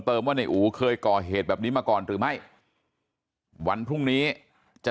ว่าในอู๋เคยก่อเหตุแบบนี้มาก่อนหรือไม่วันพรุ่งนี้จะ